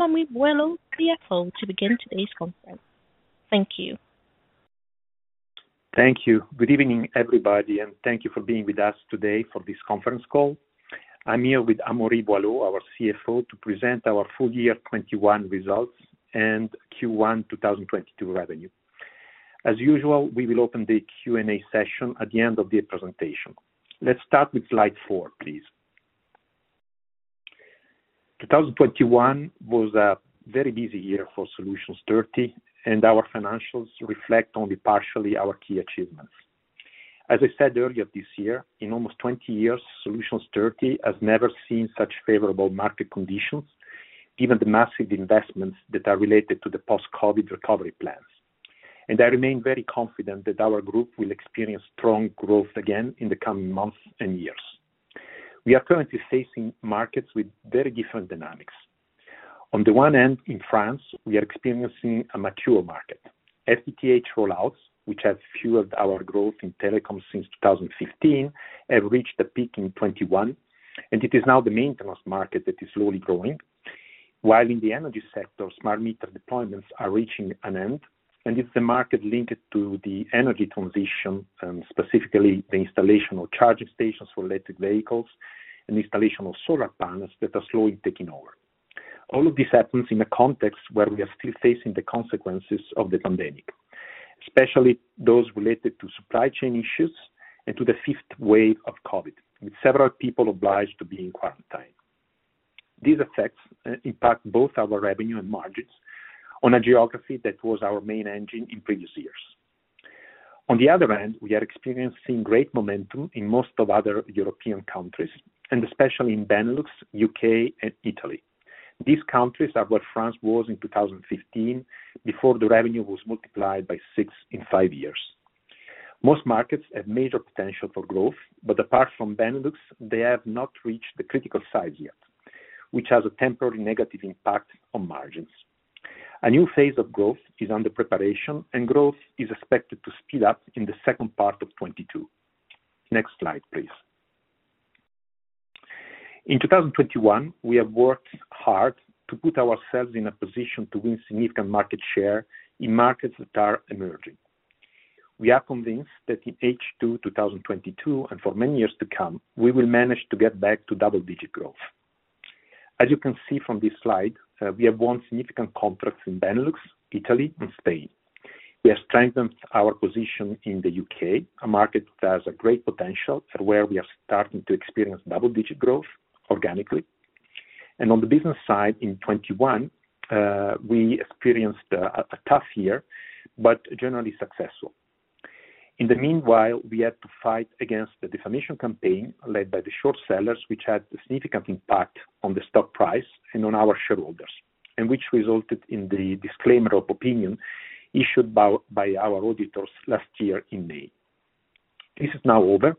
Amaury Boilot, CFO, to begin today's conference. Thank you. Thank you. Good evening, everybody, and thank you for being with us today for this conference call. I'm here with Amaury Boilot, our CFO, to present our full year 2021 results and Q1 2022 revenue. As usual, we will open the Q&A session at the end of the presentation. Let's start with slide four, please. 2021 was a very busy year for Solutions 30, and our financials reflect only partially our key achievements. As I said earlier this year, in almost 20 years, Solutions 30 has never seen such favorable market conditions, given the massive investments that are related to the post-COVID recovery plans. I remain very confident that our group will experience strong growth again in the coming months and years. We are currently facing markets with very different dynamics. On the one end, in France, we are experiencing a mature market. FTTH rollouts, which have fueled our growth in telecom since 2015, have reached a peak in 2021, and it is now the maintenance market that is slowly growing. While in the energy sector, smart meter deployments are reaching an end, and it's the market linked to the energy transition, and specifically the installation of charging stations for electric vehicles and installation of solar panels that are slowly taking over. All of this happens in a context where we are still facing the consequences of the pandemic, especially those related to supply chain issues and to the fifth wave of COVID, with several people obliged to be in quarantine. These effects impact both our revenue and margins on a geography that was our main engine in previous years. On the other hand, we are experiencing great momentum in most of other European countries, and especially in Benelux, U.K., and Italy. These countries are where France was in 2015 before the revenue was multiplied by six in five years. Most markets have major potential for growth, but apart from Benelux, they have not reached the critical size yet, which has a temporary negative impact on margins. A new phase of growth is under preparation, and growth is expected to speed up in the second part of 2022. Next slide, please. In 2021, we have worked hard to put ourselves in a position to win significant market share in markets that are emerging. We are convinced that in H2 2022, and for many years to come, we will manage to get back to double-digit growth. As you can see from this slide, we have won significant contracts in Benelux, Italy, and Spain. We have strengthened our position in the U.K., a market that has a great potential, and where we are starting to experience double-digit growth organically. On the business side in 2021, we experienced a tough year, but generally successful. In the meanwhile, we had to fight against the defamation campaign led by the short sellers, which had a significant impact on the stock price and on our shareholders, and which resulted in the disclaimer of opinion issued by our auditors last year in May. This is now over,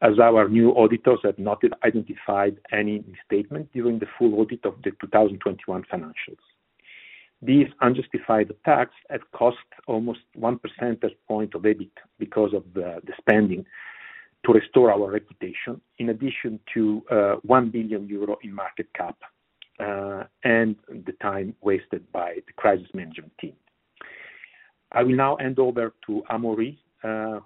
as our new auditors have not identified any misstatement during the full audit of the 2021 financials. These unjustified attacks had cost almost one percentage point of EBIT because of the spending to restore our reputation, in addition to 1 billion euro in market cap, and the time wasted by the crisis management team. I will now hand over to Amaury,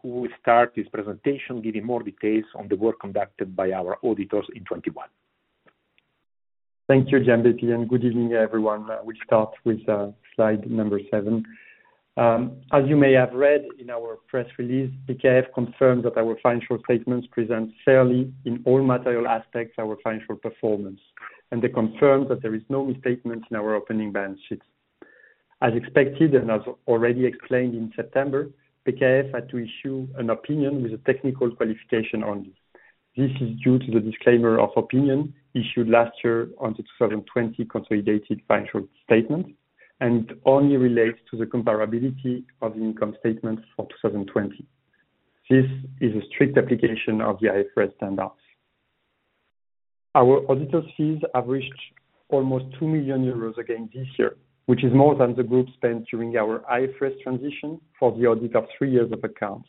who will start his presentation, giving more details on the work conducted by our auditors in 2021. Thank you, Gianbeppi, and good evening, everyone. We start with slide number seven. As you may have read in our press release, PKF confirmed that our financial statements present fairly in all material aspects our financial performance, and they confirmed that there is no misstatement in our opening balance sheet. As expected, and as already explained in September, PKF had to issue an opinion with a technical qualification on this. This is due to the disclaimer of opinion issued last year on the 2020 consolidated financial statement, and only relates to the comparability of the income statement for 2020. This is a strict application of the IFRS standards. Our auditor fees have reached almost 2 million euros again this year, which is more than the group spent during our IFRS transition for the audit of three years of accounts.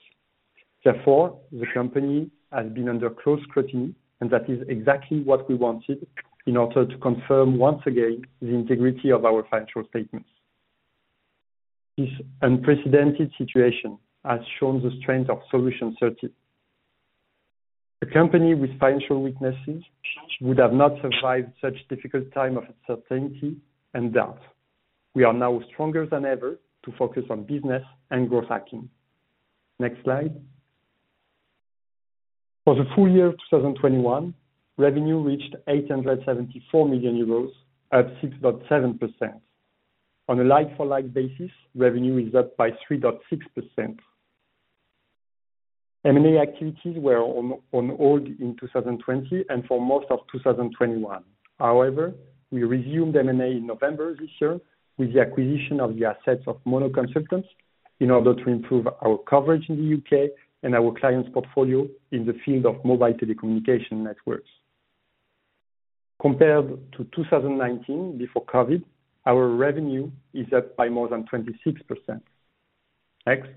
Therefore, the company has been under close scrutiny, and that is exactly what we wanted in order to confirm once again the integrity of our financial statements. This unprecedented situation has shown the strength of Solutions 30. A company with financial weaknesses would have not survived such difficult time of uncertainty and doubt. We are now stronger than ever to focus on business and growth hacking. Next slide. For the full year of 2021, revenue reached 874 million euros at 6.7%. On a like for like basis, revenue is up by 3.6%. M&A activities were on hold in 2020 and for most of 2021. However, we resumed M&A in November this year with the acquisition of the assets of Mono Consultants in order to improve our coverage in the U.K. and our clients' portfolio in the field of mobile telecommunication networks. Compared to 2019 before COVID, our revenue is up by more than 26%. Next.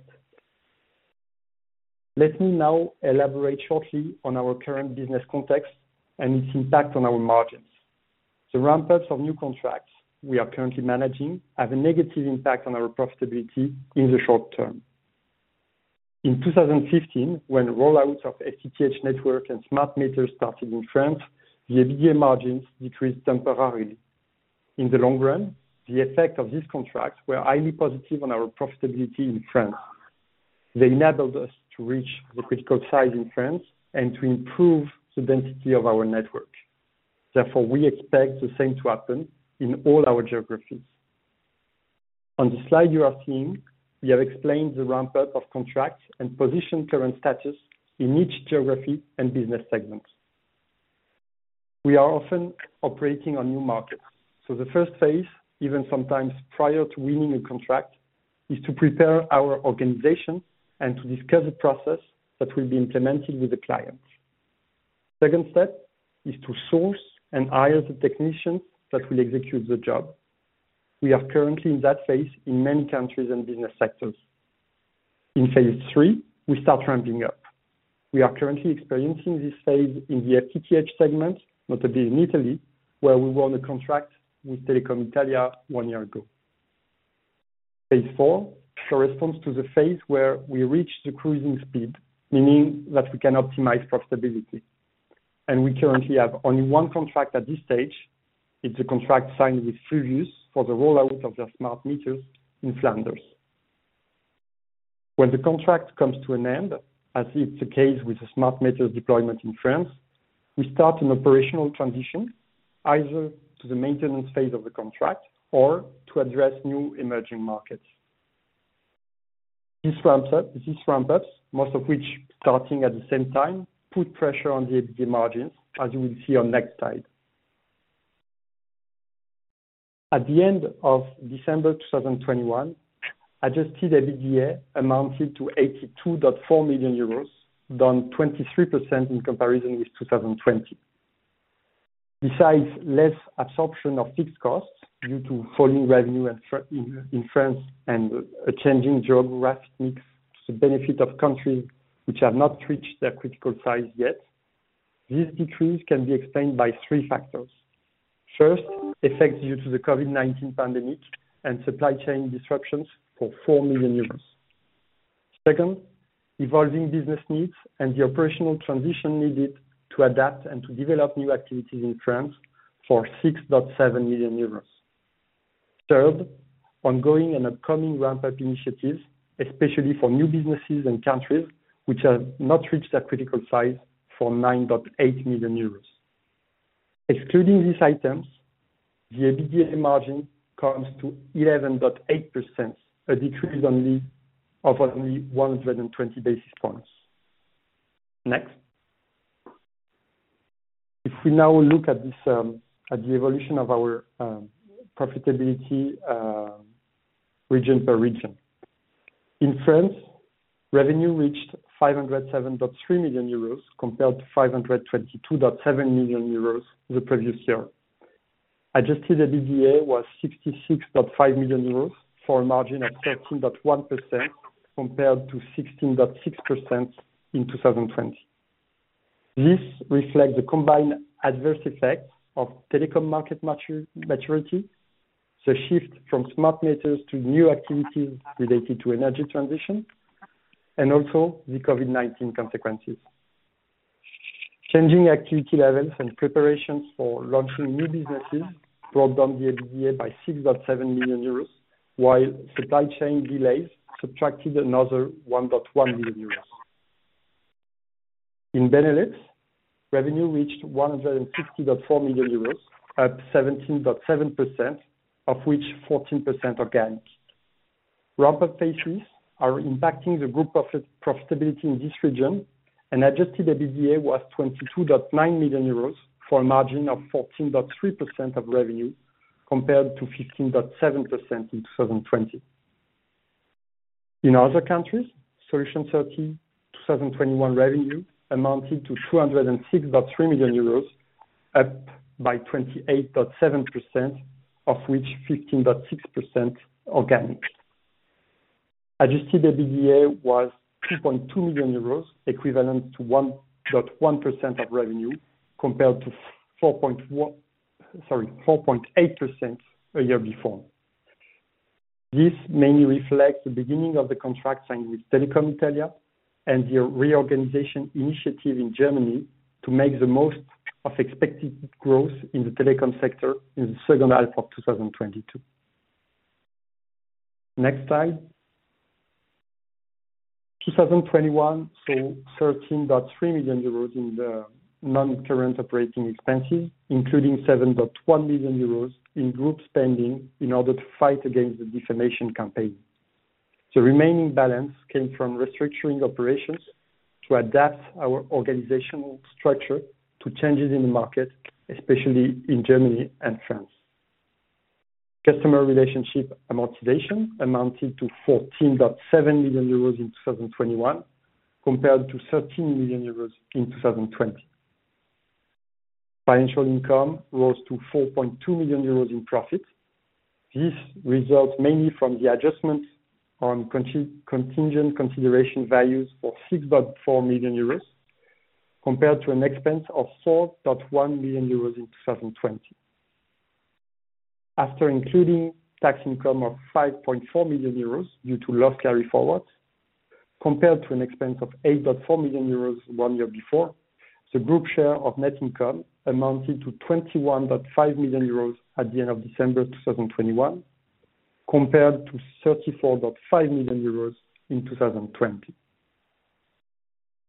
Let me now elaborate shortly on our current business context and its impact on our margins. The ramp ups of new contracts we are currently managing have a negative impact on our profitability in the short term. In 2015, when rollouts of FTTH network and smart meters started in France, the EBITDA margins decreased temporarily. In the long run, the effect of these contracts were highly positive on our profitability in France. They enabled us to reach the critical size in France and to improve the density of our network. Therefore, we expect the same to happen in all our geographies. On the slide you are seeing, we have explained the ramp up of contracts and position current status in each geography and business segments. We are often operating on new markets, so the first phase, even sometimes prior to winning a contract, is to prepare our organization and to discuss the process that will be implemented with the client. Second step is to source and hire the technicians that will execute the job. We are currently in that phase in many countries and business sectors. In phase III, we start ramping up. We are currently experiencing this phase in the FTTH segment, notably in Italy, where we won a contract with Telecom Italia one year ago. Phase IV corresponds to the phase where we reach the cruising speed, meaning that we can optimize profitability. We currently have only one contract at this stage. It's a contract signed with Fluvius for the rollout of their smart meters in Flanders. When the contract comes to an end, as is the case with the smart meters deployment in France, we start an operational transition, either to the maintenance phase of the contract or to address new emerging markets. These ramp-ups, most of which starting at the same time, put pressure on the EBITDA margins as you will see on next slide. At the end of December 2021, adjusted EBITDA amounted to 82.4 million euros, down 23% in comparison with 2020. Besides less absorption of fixed costs due to falling revenue in France and a changing geographic mix to benefit of countries which have not reached their critical size yet, this decrease can be explained by three factors. First, effects due to the COVID-19 pandemic and supply chain disruptions for 4 million euros. Second, evolving business needs and the operational transition needed to adapt and to develop new activities in France for 6.7 million euros. Third, ongoing and upcoming ramp-up initiatives, especially for new businesses and countries which have not reached their critical size, for 9.8 million euros. Excluding these items, the EBITDA margin comes to 11.8%, a decrease of only 120 basis points. Next. If we now look at this, at the evolution of our, profitability, region per region. In France, revenue reached 507.3 million euros compared to 522.7 million euros the previous year. Adjusted EBITDA was 66.5 million euros, for a margin of 13.1% compared to 16.6% in 2020. This reflects the combined adverse effects of telecom market maturity, the shift from smart meters to new activities related to energy transition, and also the COVID-19 consequences. Changing activity levels and preparations for launching new businesses brought down the EBITDA by 6.7 million euros, while supply chain delays subtracted another 1.1 million euros. In Benelux, revenue reached 150.4 million euros, up 17.7%, of which 14% organic. Ramp-up phases are impacting the group profitability in this region, and adjusted EBITDA was 22.9 million euros for a margin of 14.3% of revenue compared to 15.7% in 2020. In other countries, Solutions 30, 2021 revenue amounted to 206.3 million euros, up by 28.7% of which 15.6% organic. Adjusted EBITDA was 2.2 million euros, equivalent to 1.1% of revenue, compared to 4.8% a year before. This mainly reflects the beginning of the contract signed with Telecom Italia and the reorganization initiative in Germany to make the most of expected growth in the telecom sector in the second half of 2022. Next slide. 2021 saw 13.3 million euros in the non-current operating expenses, including 7.1 million euros in group spending in order to fight against the defamation campaign. The remaining balance came from restructuring operations to adapt our organizational structure to changes in the market, especially in Germany and France. Customer relationship amortization amounted to 14.7 million euros in 2021, compared to 13 million euros in 2020. Financial income rose to 4.2 million euros in profit. This results mainly from the adjustments on contingent consideration values for 6.4 million euros, compared to an expense of 4.1 million euros in 2020. After including tax income of 5.4 million euros due to loss carryforwards, compared to an expense of 8.4 million euros one year before, the group share of net income amounted to 21.5 million euros at the end of December 2021, compared to 34.5 million euros in 2020.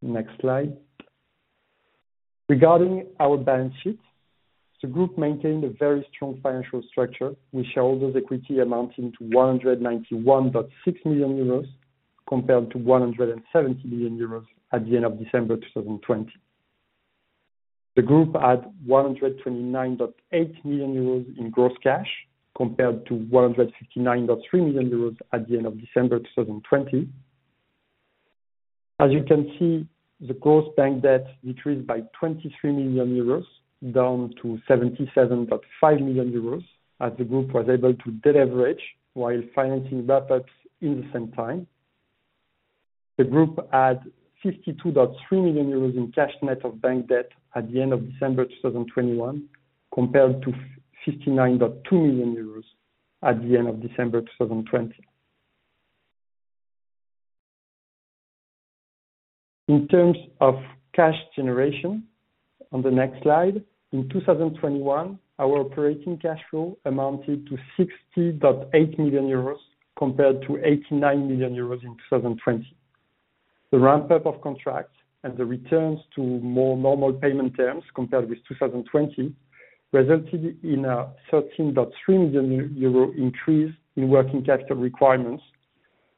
Next slide. Regarding our balance sheet, the group maintained a very strong financial structure with shareholders equity amounting to 191.6 million euros, compared to 170 million euros at the end of December 2020. The group had 129.8 million euros in gross cash, compared to 159.3 million euros at the end of December 2020. As you can see, the gross bank debt decreased by 23 million euros, down to 77.5 million euros, as the group was able to de-leverage while financing buybacks in the same time. The group add 52.3 million euros in cash net of bank debt at the end of December 2021, compared to 59.2 million euros at the end of December 2020. In terms of cash generation, on the next slide, in 2021, our operating cash flow amounted to 60.8 million euros, compared to 89 million euros in 2020. The ramp-up of contracts and the returns to more normal payment terms, compared with 2020, resulted in a 13.3 million euro increase in working capital requirements,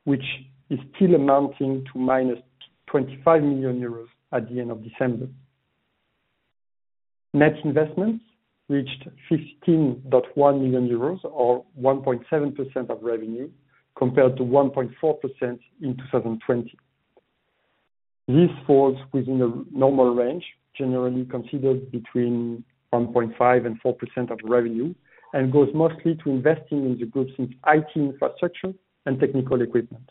which is still amounting to -25 million euros at the end of December. Net investments reached 15.1 million euros, or 1.7% of revenue, compared to 1.4% in 2020. This falls within a normal range, generally considered between 1.5%-4% of revenue, and goes mostly to investing in the group's IT infrastructure and technical equipment.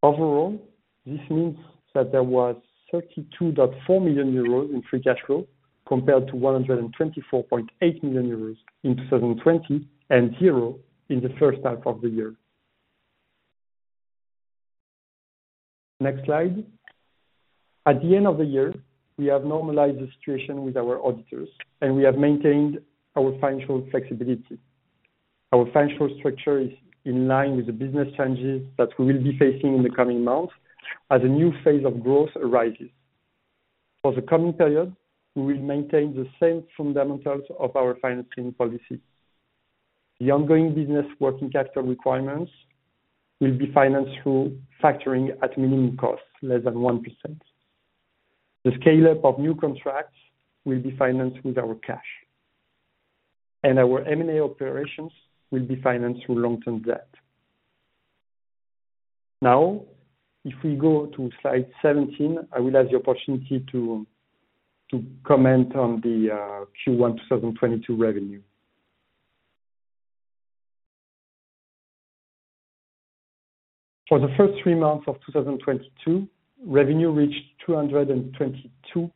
Overall, this means that there was 32.4 million euros in free cash flow, compared to 124.8 million euros in 2020, and zero in the first half of the year. Next slide. At the end of the year, we have normalized the situation with our auditors, and we have maintained our financial flexibility. Our financial structure is in line with the business challenges that we will be facing in the coming months as a new phase of growth arises. For the coming period, we will maintain the same fundamentals of our financing policy. The ongoing business working capital requirements will be financed through factoring at minimum cost, less than 1%. The scale-up of new contracts will be financed with our cash. Our M&A operations will be financed through long-term debt. Now, if we go to slide 17, I will have the opportunity to comment on the Q1 2022 revenue. For the first three months of 2022, revenue reached 222.7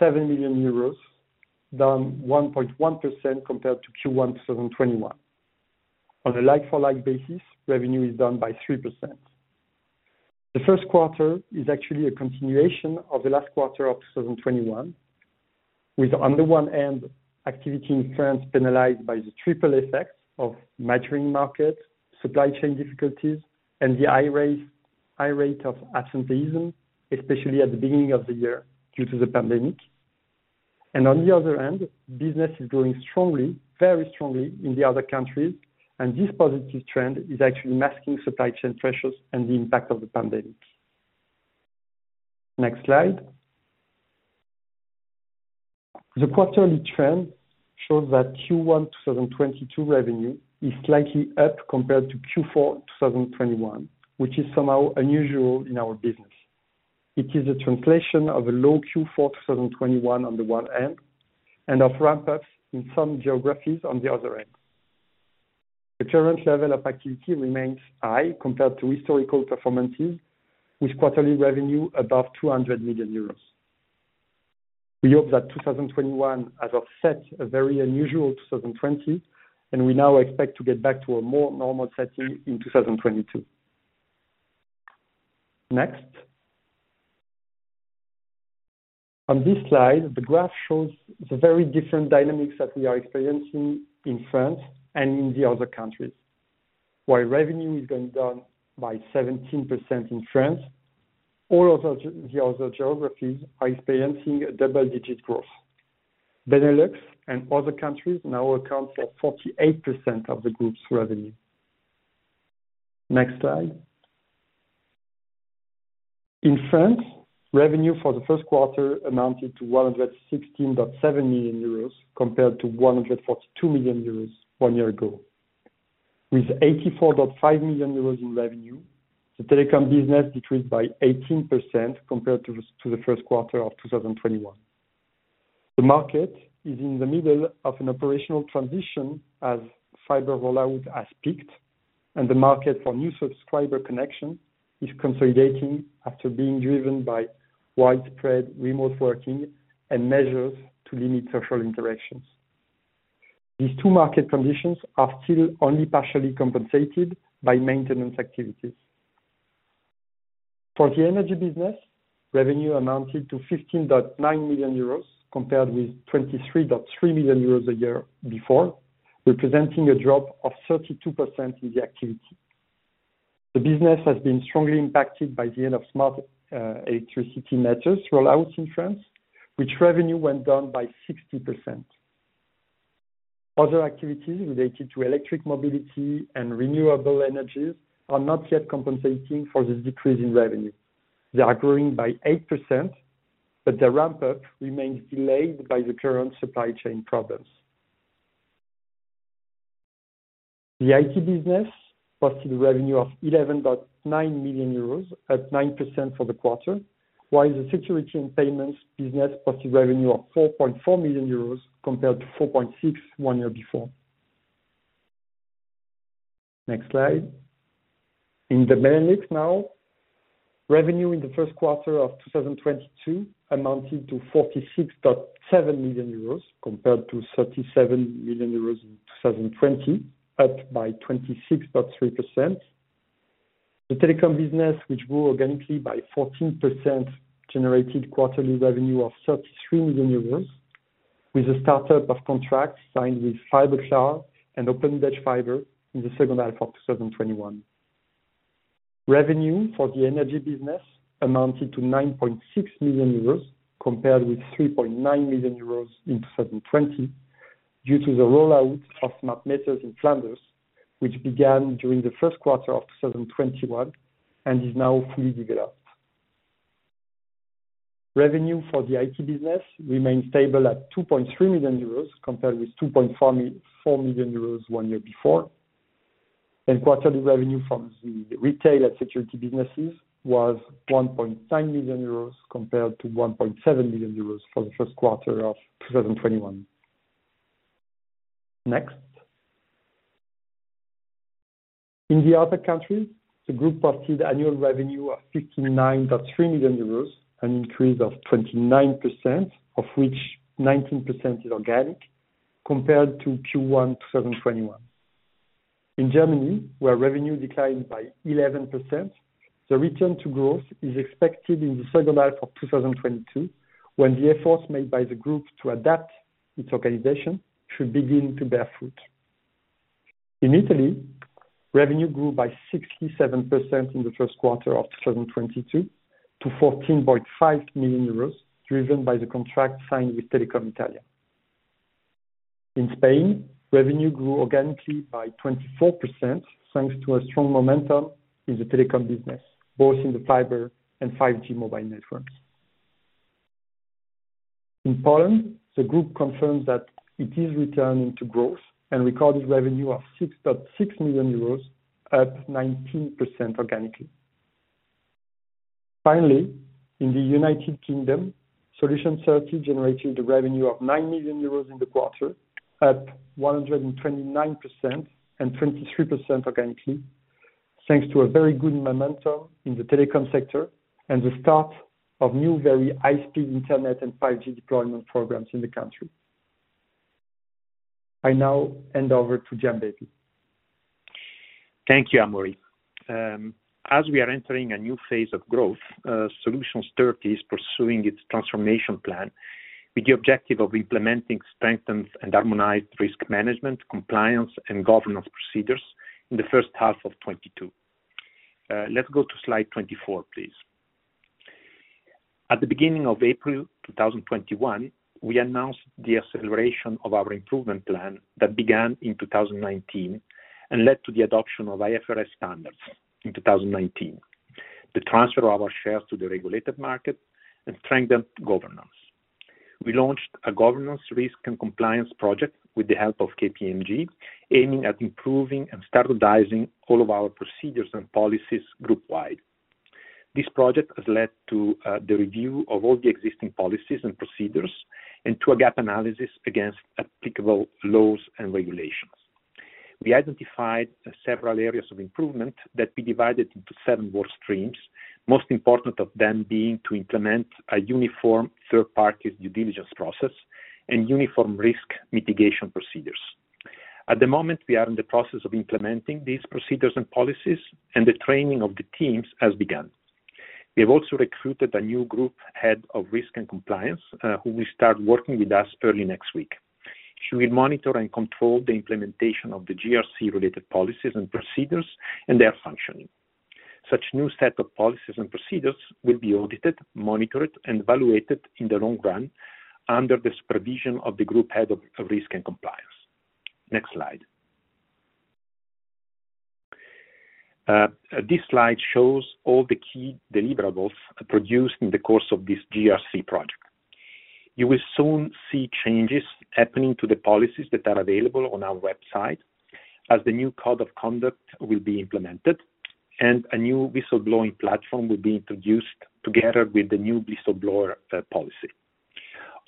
million euros, down 1.1% compared to Q1 2021. On a like-for-like basis, revenue is down by 3%. The first quarter is actually a continuation of the last quarter of 2021, with on the one hand, activity in France penalized by the triple effects of maturing market, supply chain difficulties, and the high rate of absenteeism, especially at the beginning of the year, due to the pandemic. On the other hand, business is growing strongly, very strongly in the other countries, and this positive trend is actually masking supply chain pressures and the impact of the pandemic. Next slide. The quarterly trend shows that Q1 2022 revenue is slightly up compared to Q4 2021, which is somehow unusual in our business. It is a translation of a low Q4 2021 on the one hand, and of ramp-ups in some geographies on the other hand. The current level of activity remains high compared to historical performances, with quarterly revenue above 200 million euros. We hope that 2021 has offset a very unusual 2020, and we now expect to get back to a more normal setting in 2022. Next. On this slide, the graph shows the very different dynamics that we are experiencing in France and in the other countries. While revenue is going down by 17% in France, all the other geographies are experiencing a double-digit growth. Benelux and other countries now account for 48% of the group's revenue. Next slide. In France, revenue for the first quarter amounted to 116.7 million euros, compared to 142 million euros one year ago. With 84.5 million euros in revenue, the telecom business decreased by 18% compared to the first quarter of 2021. The market is in the middle of an operational transition as fiber rollout has peaked and the market for new subscriber connection is consolidating after being driven by widespread remote working and measures to limit social interactions. These two market conditions are still only partially compensated by maintenance activities. For the energy business, revenue amounted to 15.9 million euros, compared with 23.3 million euros a year before, representing a drop of 32% in the activity. The business has been strongly impacted by the end of smart electricity meters rollouts in France, which revenue went down by 60%. Other activities related to electric mobility and renewable energies are not yet compensating for this decrease in revenue. They are growing by 8%, but the ramp-up remains delayed by the current supply chain problems. The IT business posted revenue of 11.9 million euros, up 9% for the quarter, while the security and payments business posted revenue of 4.4 million euros compared to 4.6 million one year before. Next slide. In the Benelux now, revenue in the first quarter of 2022 amounted to 46.7 million euros compared to 37 million euros in 2020, up by 26.3%. The telecom business, which grew organically by 14%, generated quarterly revenue of 33 million euros, with the start-up of contracts signed with Fiberklaar and Open Dutch Fiber in the second half of 2021. Revenue for the energy business amounted to 9.6 million euros, compared with 3.9 million euros in 2020, due to the rollout of smart meters in Flanders, which began during the first quarter of 2021 and is now fully developed. Revenue for the IT business remains stable at 2.3 million euros, compared with 2.4 million euros one year before, and quarterly revenue from the retail and security businesses was 1.9 million euros compared to 1.7 million euros for the first quarter of 2021. Next. In the other countries, the group posted annual revenue of 59.3 million euros, an increase of 29%, of which 19% is organic, compared to Q1 2021. In Germany, where revenue declined by 11%, the return to growth is expected in the second half of 2022, when the efforts made by the group to adapt its organization should begin to bear fruit. In Italy, revenue grew by 67% in the first quarter of 2022 to 14.5 million euros, driven by the contract signed with Telecom Italia. In Spain, revenue grew organically by 24%, thanks to a strong momentum in the telecom business, both in the fiber and 5G mobile networks. In Poland, the group confirms that it is returning to growth and recorded revenue of 6.6 million euros, up 19% organically. Finally, in the United Kingdom, Solutions 30 generated a revenue of 9 million euros in the quarter, up 129% and 23% organically, thanks to a very good momentum in the telecom sector and the start of new very high-speed internet and 5G deployment programs in the country. I now hand over to Gianbeppi. Thank you, Amaury. As we are entering a new phase of growth, Solutions 30 is pursuing its transformation plan with the objective of implementing strengthened and harmonized risk management, compliance, and governance procedures in the first half of 2022. Let's go to slide 24, please. At the beginning of April 2021, we announced the acceleration of our improvement plan that began in 2019 and led to the adoption of IFRS standards in 2019, the transfer of our shares to the regulated market, and strengthened governance. We launched a governance risk and compliance project with the help of KPMG, aiming at improving and standardizing all of our procedures and policies groupwide. This project has led to the review of all the existing policies and procedures and to a gap analysis against applicable laws and regulations. We identified several areas of improvement that we divided into seven work streams, most important of them being to implement a uniform third-party due diligence process and uniform risk mitigation procedures. At the moment, we are in the process of implementing these procedures and policies, and the training of the teams has begun. We have also recruited a new group head of risk and compliance, who will start working with us early next week. She will monitor and control the implementation of the GRC related policies and procedures and their functioning. Such new set of policies and procedures will be audited, monitored, and evaluated in the long run under the supervision of the group head of risk and compliance. Next slide. This slide shows all the key deliverables produced in the course of this GRC project. You will soon see changes happening to the policies that are available on our website as the new code of conduct will be implemented and a new whistleblowing platform will be introduced together with the new whistleblower policy.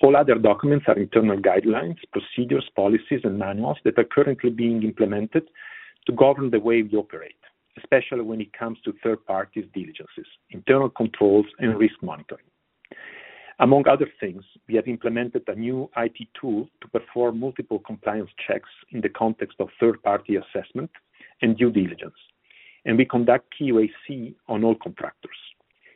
All other documents are internal guidelines, procedures, policies, and manuals that are currently being implemented to govern the way we operate, especially when it comes to third parties' diligences, internal controls and risk monitoring. Among other things, we have implemented a new IT tool to perform multiple compliance checks in the context of third-party assessment and due diligence, and we conduct QA/QC on all contractors.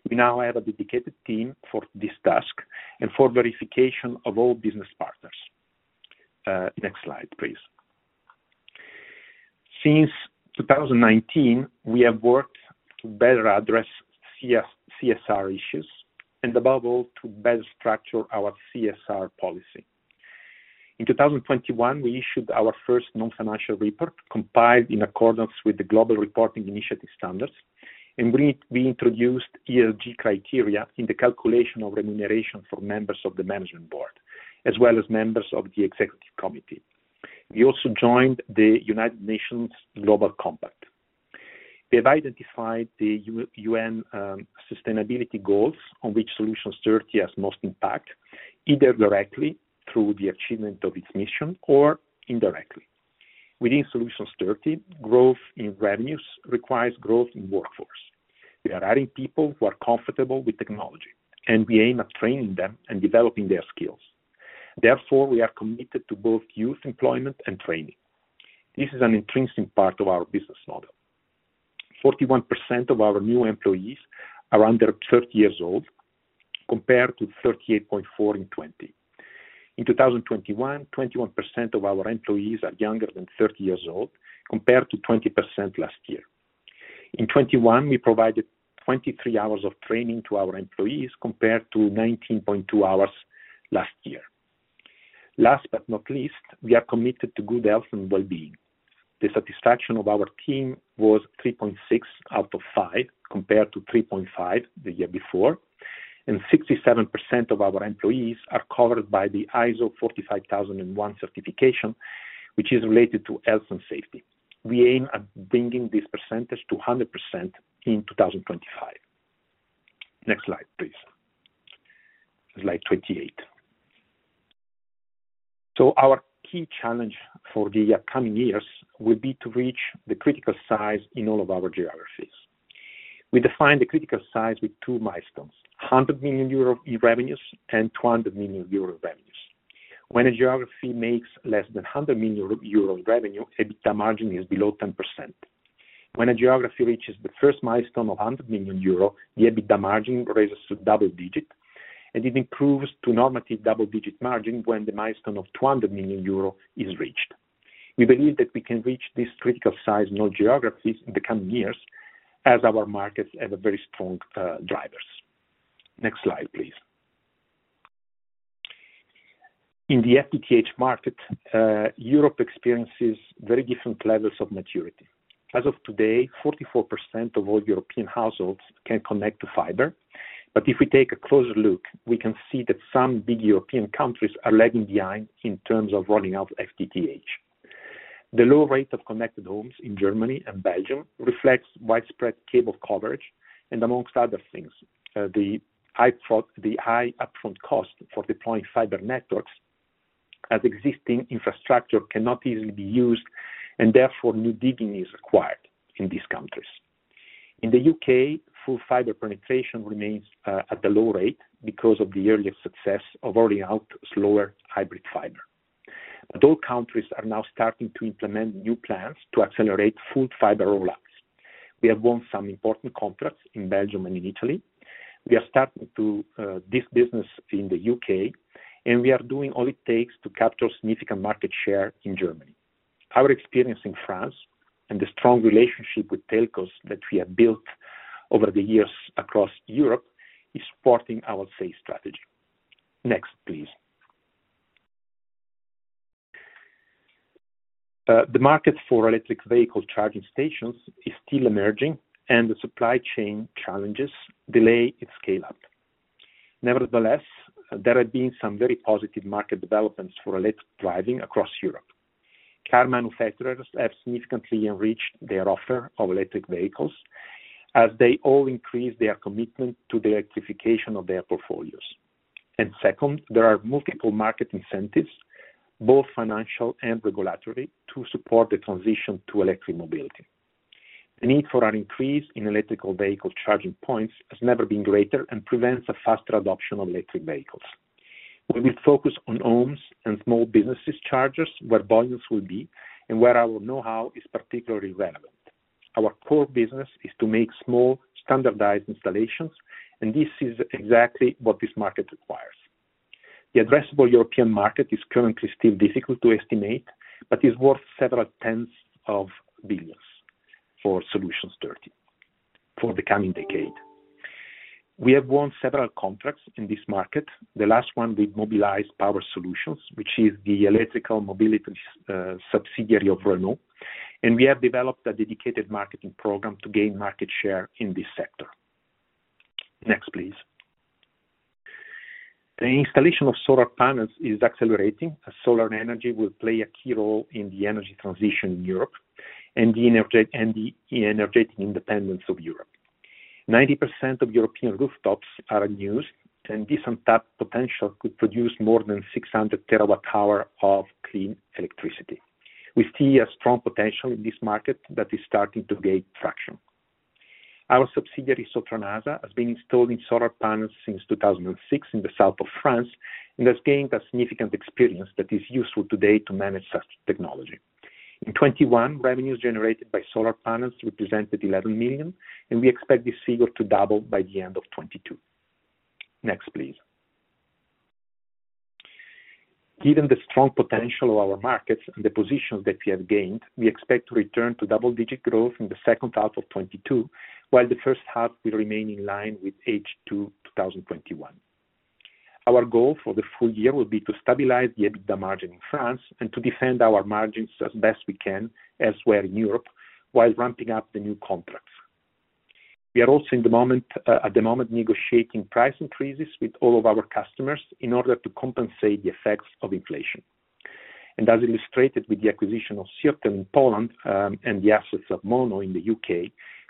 We now have a dedicated team for this task and for verification of all business partners. Next slide, please. Since 2019, we have worked to better address CSR issues and above all, to best structure our CSR policy. In 2021, we issued our first non-financial report compiled in accordance with the Global Reporting Initiative standards, and we introduced ESG criteria in the calculation of remuneration for members of the management board, as well as members of the executive committee. We also joined the United Nations Global Compact. We have identified the UN sustainability goals on which Solutions 30 has most impact, either directly through the achievement of its mission or indirectly. Within Solutions 30, growth in revenues requires growth in workforce. We are adding people who are comfortable with technology, and we aim at training them and developing their skills. Therefore, we are committed to both youth employment and training. This is an intrinsic part of our business model. 41% of our new employees are under 30 years old, compared to 38.4% in 2020. In 2021, 21% of our employees are younger than 30 years old, compared to 20% last year. In 2021, we provided 23 hours of training to our employees, compared to 19.2 hours last year. Last but not least, we are committed to good health and well-being. The satisfaction of our team was 3.6 out of five, compared to 3.5 the year before, and 67% of our employees are covered by the ISO 45001 certification, which is related to health and safety. We aim at bringing this percentage to 100% in 2025. Next slide, please. Slide 28. Our key challenge for the upcoming years will be to reach the critical size in all of our geographies. We define the critical size with two milestones: 100 million euro in revenues and 200 million euro revenues. When a geography makes less than 100 million euro in revenue, EBITDA margin is below 10%. When a geography reaches the first milestone of 100 million euro, the EBITDA margin rises to double-digit, and it improves to normative double-digit margin when the milestone of 200 million euro is reached. We believe that we can reach this critical size in all geographies in the coming years as our markets have a very strong drivers. Next slide, please. In the FTTH market, Europe experiences very different levels of maturity. As of today, 44% of all European households can connect to fiber. If we take a closer look, we can see that some big European countries are lagging behind in terms of rolling out FTTH. The low rate of connected homes in Germany and Belgium reflects widespread cable coverage, and among other things, the high upfront cost for deploying fiber networks as existing infrastructure cannot easily be used and therefore new digging is required in these countries. In the U.K., full fiber penetration remains at a low rate because of the earlier success of rolling out slower hybrid fiber. All countries are now starting to implement new plans to accelerate full fiber rollouts. We have won some important contracts in Belgium and in Italy. We are starting to this business in the U.K., and we are doing all it takes to capture significant market share in Germany. Our experience in France and the strong relationship with telcos that we have built over the years across Europe is supporting our sales strategy. Next, please. The market for electric vehicle charging stations is still emerging, and the supply chain challenges delay its scale-up. Nevertheless, there have been some very positive market developments for electric driving across Europe. Car manufacturers have significantly enriched their offer of electric vehicles as they all increase their commitment to the electrification of their portfolios. Second, there are multiple market incentives, both financial and regulatory, to support the transition to electric mobility. The need for an increase in electric vehicle charging points has never been greater and prevents a faster adoption of electric vehicles. We will focus on homes and small businesses chargers where volumes will be and where our know-how is particularly relevant. Our core business is to make small standardized installations, and this is exactly what this market requires. The addressable European market is currently still difficult to estimate, but is worth several tens of billions EUR for Solutions 30 for the coming decade. We have won several contracts in this market. The last one with Mobilize Power Solutions, which is the electrical mobility subsidiary of Renault, and we have developed a dedicated marketing program to gain market share in this sector. Next, please. The installation of solar panels is accelerating. Solar energy will play a key role in the energy transition in Europe and the energetic independence of Europe. 90% of European rooftops are unused, and this untapped potential could produce more than 600 TWh of clean electricity. We see a strong potential in this market that is starting to gain traction. Our subsidiary, Sotranasa, has been installing solar panels since 2006 in the South of France and has gained a significant experience that is useful today to manage such technology. In 2021, revenues generated by solar panels represented 11 million, and we expect this figure to double by the end of 2022. Next, please. Given the strong potential of our markets and the positions that we have gained, we expect to return to double-digit growth in the second half of 2022, while the first half will remain in line with H2 2021. Our goal for the full year will be to stabilize the EBITDA margin in France and to defend our margins as best we can elsewhere in Europe while ramping up the new contracts. We are also at the moment, negotiating price increases with all of our customers in order to compensate the effects of inflation. As illustrated with the acquisition of Sirtel in Poland, and the assets of Mono Consultants in the U.K.,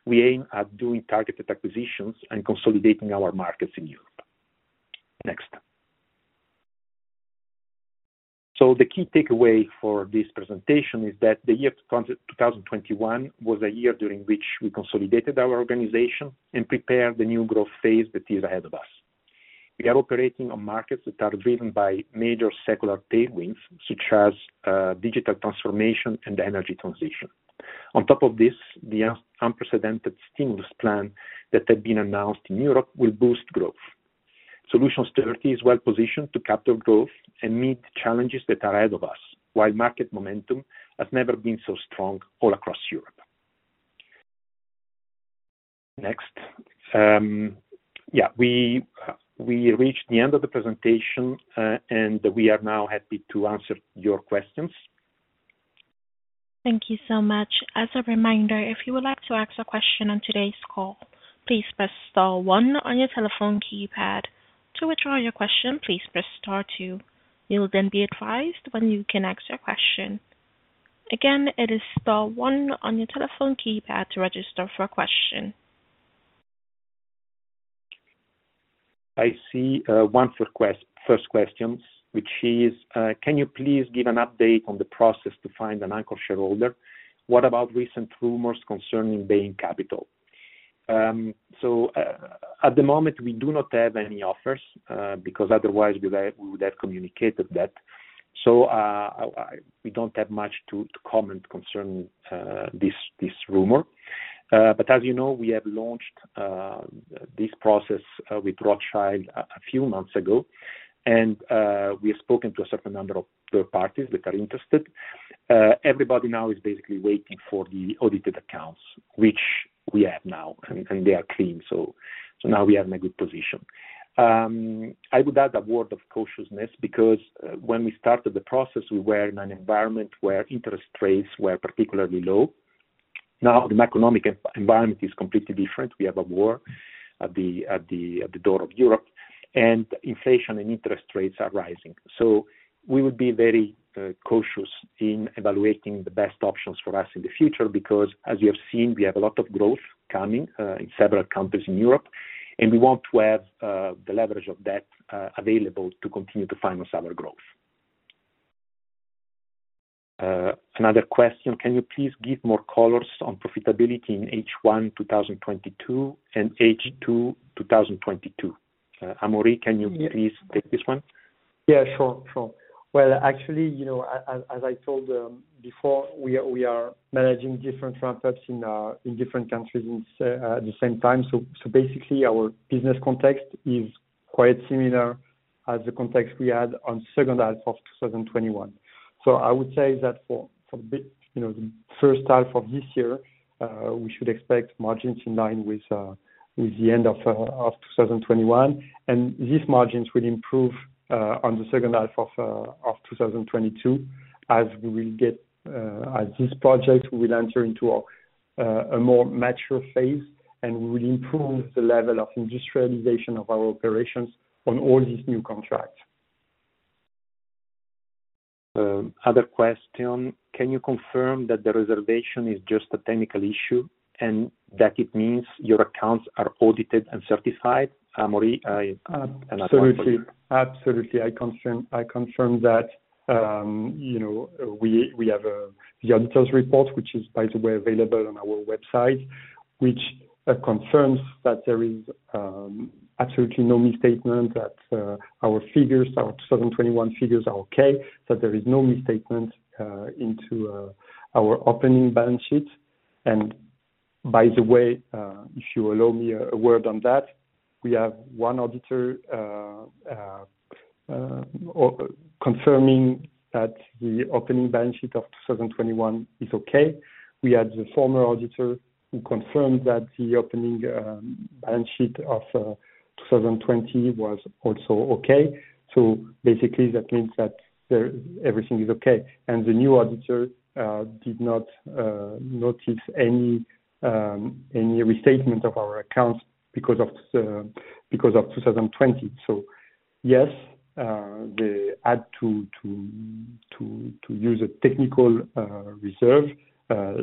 we aim at doing targeted acquisitions and consolidating our markets in Europe. Next. The key takeaway for this presentation is that the year 2021 was a year during which we consolidated our organization and prepared the new growth phase that is ahead of us. We are operating on markets that are driven by major secular tailwinds, such as digital transformation and energy transition. On top of this, the unprecedented stimulus plan that had been announced in Europe will boost growth. Solutions 30 is well positioned to capture growth and meet the challenges that are ahead of us, while market momentum has never been so strong all across Europe. Next. We reached the end of the presentation, and we are now happy to answer your questions. Thank you so much. As a reminder, if you would like to ask a question on today's call, please press star one on your telephone keypad. To withdraw your question, please press star two. You will then be advised when you can ask your question. Again, it is star one on your telephone keypad to register for a question. I see, one request, first questions, which is, can you please give an update on the process to find an anchor shareholder? What about recent rumors concerning Bain Capital? At the moment, we do not have any offers, because otherwise we would have communicated that. We don't have much to comment concerning this rumor. As you know, we have launched this process with Rothschild & Cie a few months ago, and we have spoken to a certain number of third parties that are interested. Everybody now is basically waiting for the audited accounts, which we have now, and they are clean, so now we are in a good position. I would add a word of cautiousness because when we started the process, we were in an environment where interest rates were particularly low. Now, the macroeconomic environment is completely different. We have a war at the door of Europe, and inflation and interest rates are rising. We would be very cautious in evaluating the best options for us in the future, because as you have seen, we have a lot of growth coming in several countries in Europe, and we want to have the leverage of that available to continue to finance our growth. Another question. Can you please give more color on profitability in H1 2022 and H2 2022? Amaury, can you please take this one? Yeah, sure. Well, actually you know, as I told before, we are managing different ramp-ups in different countries at the same time. Basically our business context is quite similar as the context we had on second half of 2021. I would say that for a bit, you know, the first half of this year, we should expect margins in line with the end of 2021. These margins will improve on the second half of 2022 as we will get, as this project will enter into a more mature phase, and we will improve the level of industrialization of our operations on all these new contracts. Other question. Can you confirm that the reservation is just a technical issue and that it means your accounts are audited and certified? Amaury. Absolutely. I confirm that, you know, we have the auditor's report, which is by the way available on our website, which confirms that there is absolutely no misstatement, that our figures, our 2021 figures are okay, that there is no misstatement into our opening balance sheet. By the way, if you allow me a word on that, we have one auditor confirming that the opening balance sheet of 2021 is okay. We had the former auditor who confirmed that the opening balance sheet of 2020 was also okay. Basically that means that everything is okay. The new auditor did not notice any restatement of our accounts because of 2020. Yes, they had to use a technical reserve,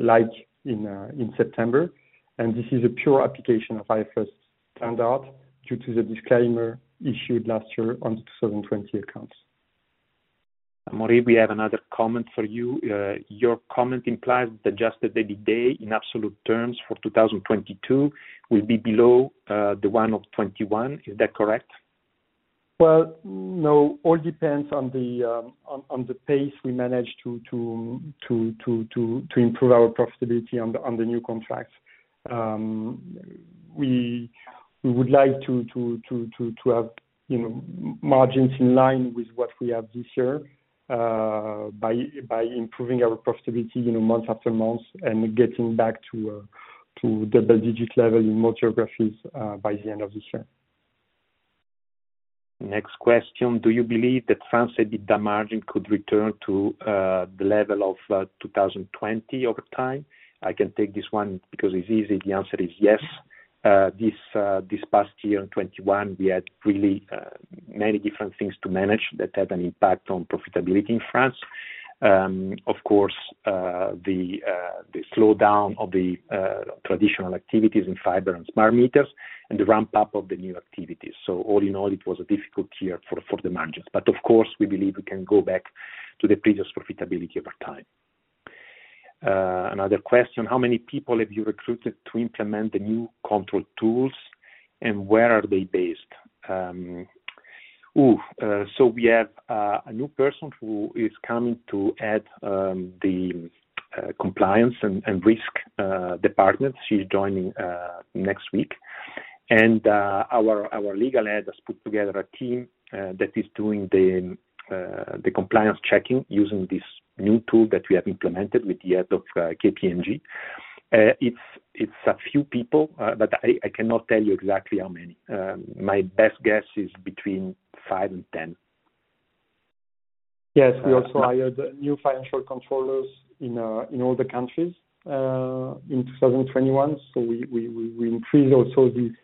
like in September. This is a pure application of IFRS standard due to the disclaimer issued last year on 2020 accounts. Amaury, we have another comment for you. Your comment implies the adjusted EBITDA in absolute terms for 2022 will be below the one of 2021. Is that correct? Well, no. All depends on the pace we manage to improve our profitability on the new contracts. We would like to have, you know, margins in line with what we have this year, by improving our profitability, you know, month after month and getting back to double-digit level in more geographies, by the end of this year. Next question. Do you believe that France EBITDA margin could return to the level of 2020 over time? I can take this one because it's easy. The answer is yes. This past year in 2021, we had really many different things to manage that had an impact on profitability in France. Of course, the slowdown of the traditional activities in fiber and smart meters and the ramp-up of the new activities. All in all, it was a difficult year for the margins. Of course, we believe we can go back to the previous profitability over time. Another question. How many people have you recruited to implement the new control tools, and where are they based? We have a new person who is coming to head the compliance and risk department. She's joining next week. Our legal head has put together a team that is doing the compliance checking using this new tool that we have implemented with the help of KPMG. It's a few people, but I cannot tell you exactly how many. My best guess is between five and 10. Yes. We also hired new financial controllers in all the countries in 2021. We increase also the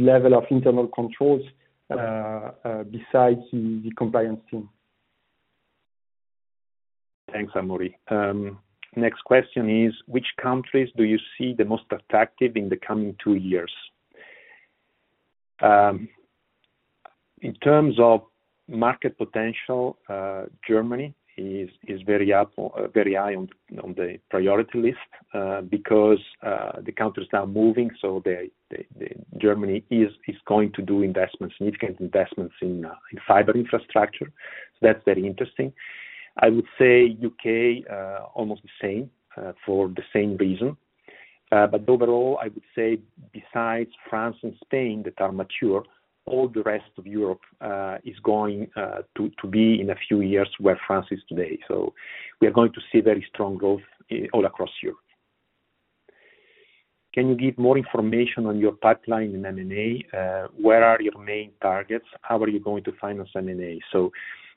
level of internal controls besides the compliance team. Thanks, Amaury. Next question is, which countries do you see the most attractive in the coming two years? In terms of market potential, Germany is very up, very high on the priority list, because the country is now moving, so Germany is going to do investments, significant investments in fiber infrastructure. So that's very interesting. I would say U.K. almost the same for the same reason. Overall, I would say besides France and Spain that are mature, all the rest of Europe is going to be in a few years where France is today. So we are going to see very strong growth all across Europe. Can you give more information on your pipeline in M&A? Where are your main targets? How are you going to finance M&A?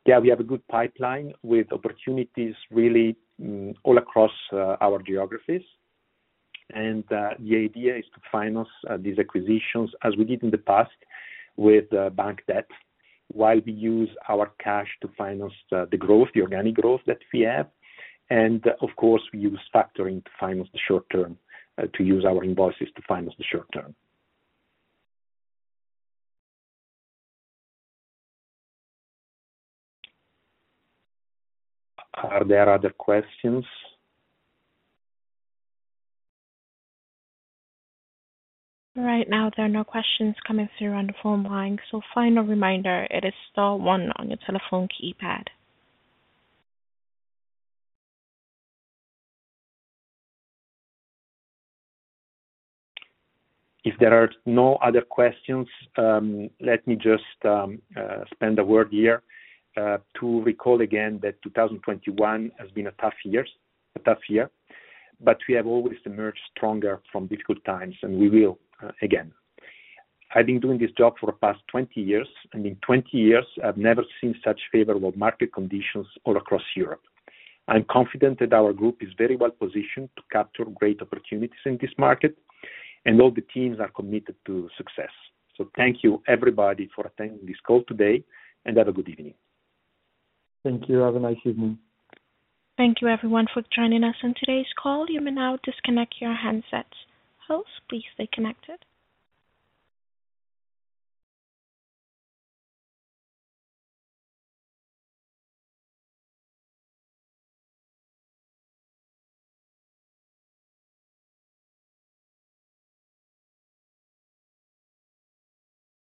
Yeah, we have a good pipeline with opportunities really all across our geographies. The idea is to finance these acquisitions as we did in the past with bank debt while we use our cash to finance the growth, the organic growth that we have. Of course, we use factoring to finance the short term to use our invoices to finance the short term. Are there other questions? Right now there are no questions coming through on the phone line. Final reminder, it is star one on your telephone keypad. If there are no other questions, let me just spend a word here to recall again that 2021 has been a tough year, but we have always emerged stronger from difficult times, and we will again. I've been doing this job for the past 20 years, and in 20 years I've never seen such favorable market conditions all across Europe. I'm confident that our group is very well positioned to capture great opportunities in this market, and all the teams are committed to success. Thank you everybody for attending this call today, and have a good evening. Thank you. Have a nice evening. Thank you everyone for joining us on today's call. You may now disconnect your handsets. Hosts, please stay connected.